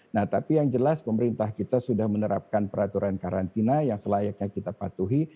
nah tapi yang jelas pemerintah kita sudah menerapkan peraturan karantina yang selayaknya kita patuhi